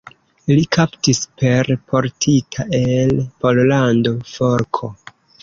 Li kaptis per portita el Pollando forko.